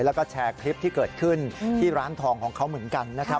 แล้วก็แชร์คลิปที่เกิดขึ้นที่ร้านทองของเขาเหมือนกันนะครับ